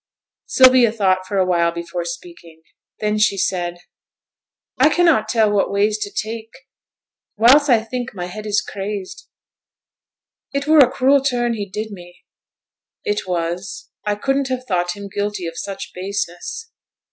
Sylvia thought for a while before speaking. Then she said, 'I cannot tell what ways to take. Whiles I think my head is crazed. It were a cruel turn he did me!' 'It was. I couldn't have thought him guilty of such baseness.'